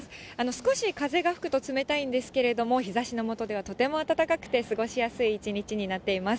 少し風が吹くと冷たいんですけれども、日ざしの下ではとても暖かくて過ごしやすい一日になっています。